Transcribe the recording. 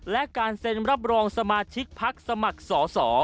และการเซ็นรับรองสมาชิกพักสมัครสอสอ